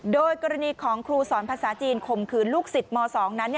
โดยกรณีของครูสอนภาษาจีนข่มขืนลูกศิษย์ม๒นั้น